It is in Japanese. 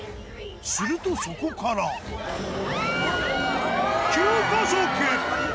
するとそこから急加速！